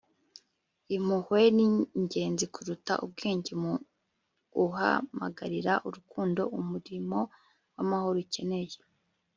impuhwe ni ingenzi kuruta ubwenge mu guhamagarira urukundo umurimo w'amahoro ukeneye